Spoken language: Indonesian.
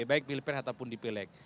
baik pilih pilih ataupun dipilih